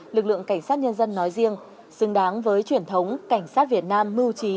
lực lượng cảnh sát nhân dân nói riêng xứng đáng với truyền thống cảnh sát việt nam mưu trí